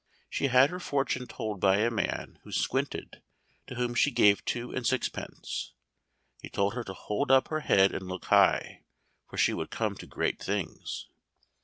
She had her fortune told by a man who squinted, to whom she gave two and sixpence. He told her to hold up her head and look high, for she would come to great things.